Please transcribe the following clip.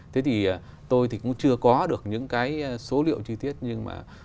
thế thì tôi thì cũng chưa có được những cái số liệu chi tiết nhưng mà